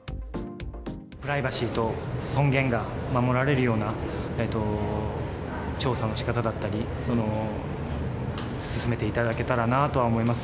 プライバシーと尊厳が守られるような調査のしかただったり、進めていただけたらなとは思います。